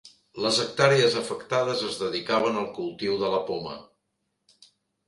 Les hectàrees afectades es dedicaven al cultiu de la poma